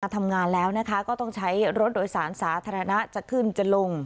ทำงานแล้วก็ต้องใช้รถโดยสารสาธารณะจะขึ้นจะลง